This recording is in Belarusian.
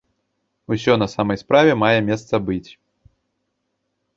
Усё на самай справе мае месца быць.